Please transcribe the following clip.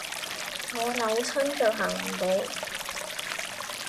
我扭親腳行唔到